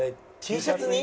Ｔシャツに？